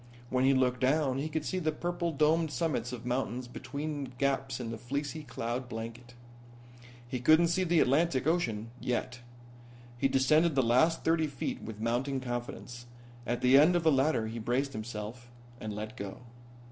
When he looked down he could see the purple domed summits of mountains between gaps in the fleecy cloud blanket. He couldn't see the Atlantic Ocean yet. He descended the last thirty feet with mounting confidence. At the end of the ladder he braced himself and let go.